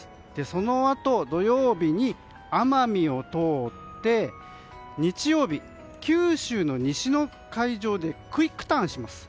そのあと、土曜日に奄美を通って日曜日、九州の西の海上でクイックターンします。